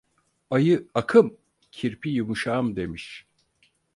Ayı akım, kirpi yumuşağım demiş.